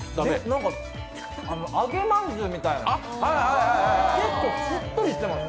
揚げまんじゅうみたいな、しっとりしています。